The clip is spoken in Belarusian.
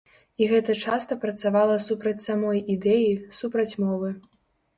І гэта часта працавала супраць самой ідэі, супраць мовы.